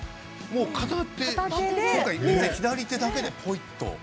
片手、今回左手だけでほいっと。